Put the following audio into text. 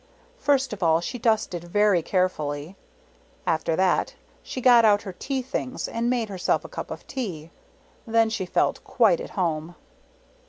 First of all she dusted very carefully. After that, she got out her tea things and made her self a cup of tea. Then she felt quite at home.